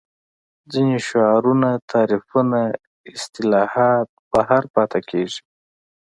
ځینې شعارونه تعریفونه اصطلاحات بهر پاتې کېږي